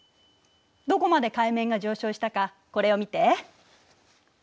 どこまで海面が上昇したかこれを見て。